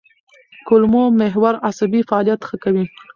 کولمو محور عصبي فعالیت ښه کوي.